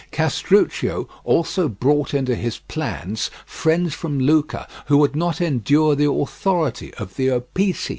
Castruccio also brought into his plans friends from Lucca who would not endure the authority of the Opizi.